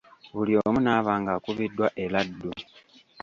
Buli omu n'aba ng'akubiddwa eraddu.